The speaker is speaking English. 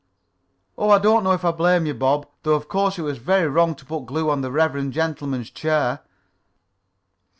"And I don't know as I blame you, Bob, though of course it was very wrong to put glue on the reverend gentleman's chair."